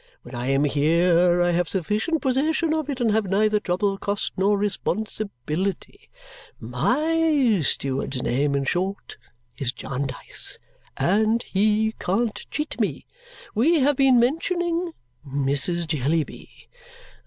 When I am here, I have sufficient possession of it and have neither trouble, cost, nor responsibility. My steward's name, in short, is Jarndyce, and he can't cheat me. We have been mentioning Mrs. Jellyby.